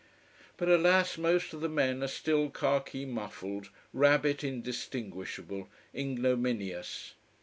But alas, most of the men are still khaki muffled, rabbit indistinguishable, ignominious.